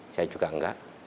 saya juga enggak